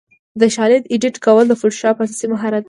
د شالید ایډیټ کول د فوټوشاپ اساسي مهارت دی.